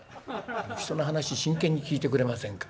「人の話真剣に聞いてくれませんか。